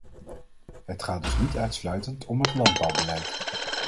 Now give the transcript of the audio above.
Het gaat dus niet uitsluitend om het landbouwbeleid.